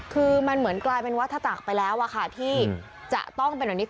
คือมันเหมือนกลายเป็นวัฒจักรไปแล้วอะค่ะที่จะต้องเป็นแบบนี้